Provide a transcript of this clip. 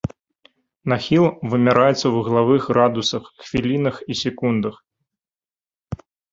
Нахіл вымяраецца ў вуглавых градусах, хвілінах і секундах.